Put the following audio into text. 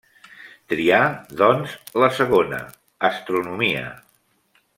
Trià, doncs, la segona: astronomia.